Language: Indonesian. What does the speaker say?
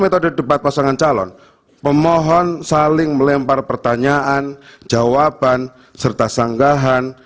metode debat pasangan calon pemohon saling melempar pertanyaan jawaban serta sanggahan